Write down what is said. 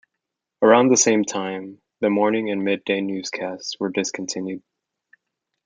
Around the same time, the morning and midday newscasts were discontinued.